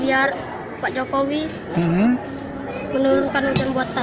biar pak jokowi menurunkan hujan buatan